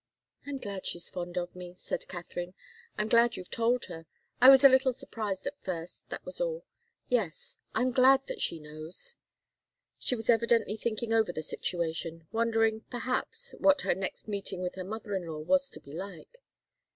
"I'm glad she's fond of me," said Katharine. "I'm glad you've told her I was a little surprised at first, that was all. Yes I'm glad that she knows." She was evidently thinking over the situation, wondering, perhaps, what her next meeting with her mother in law was to be like.